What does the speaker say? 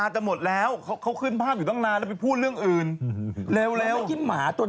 อีเอกไม่กล้าขึ้นกลัว